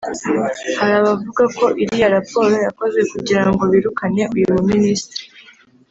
Hari abavuga ko iriya raporo yakozwe kugira ngo birukane uyu mu minisitiri